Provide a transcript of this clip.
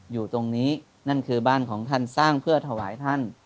อยู่ตรงนี้นั่นคือบ้านของท่านสร้างเพื่อถวายท่าน